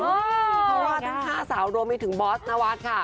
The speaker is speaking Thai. เพราะว่าทั้ง๕สาวรวมไปถึงบอสนวัฒน์ค่ะ